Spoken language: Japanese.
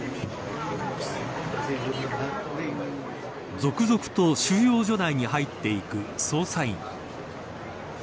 続々と収容所内に入っていく捜査員。